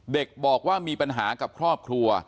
เด็กบอกว่ามีปัญหากับครอบครัว